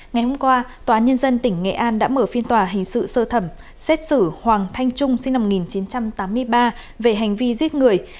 ngày hôm qua tòa nhân dân tỉnh nghệ an đã mở phiên tòa hình sự sơ thẩm xét xử hoàng thanh trung sinh năm một nghìn chín trăm tám mươi ba về hành vi giết người